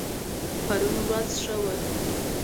پرون ورځ ښه وه